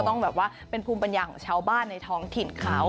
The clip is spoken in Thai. ต้องแบบว่าเป็นภูมิปัญญาของชาวบ้านในท้องถิ่นเขา